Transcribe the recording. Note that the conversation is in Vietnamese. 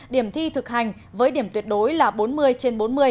điểm thi thực hành với điểm tuyệt đối là bốn mươi trên bốn mươi